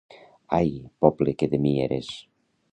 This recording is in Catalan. Ai, poble que de mi eres!